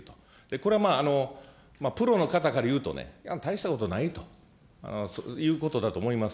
これは、プロの方から言うとね、大したことないと、いうことだと思います。